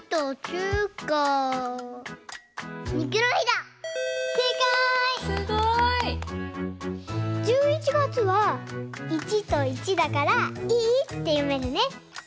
すごい！１１月は「１」と「１」だから「いい」ってよめるね。